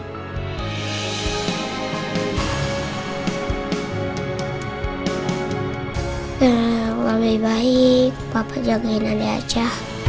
ya kalau lebih baik bapak jagain adik aja